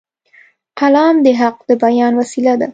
قلم د حق د بیان وسیله ده